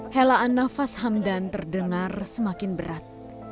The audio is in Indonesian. helaan nafas hamdan terdengar semakin berat